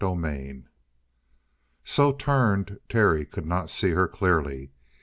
CHAPTER 23 So turned, Terry could not see her clearly.